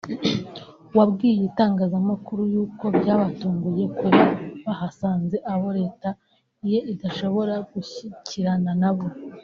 wabwiye itangazamakuru yuko byabatunguye kuba bahasanze abo leta ye idashobora gushyikirana nabo